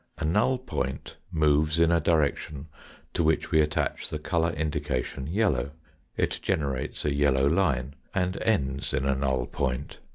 A null point moves in a direction to which we attach the colour indication yellow ; it generates a yellow line and ends in a null point.